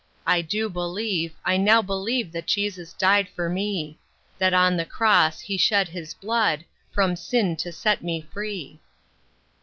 I do believe, I now believe that Jesus died for me. That on the cross He shed His blood From sin to set me free."